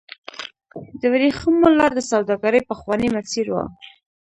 د ورېښمو لار د سوداګرۍ پخوانی مسیر و.